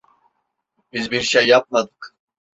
Biz bir şey yapmadık.